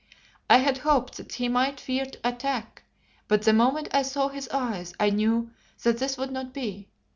I had hoped that he might fear to attack, but the moment I saw his eyes, I knew that this would not be.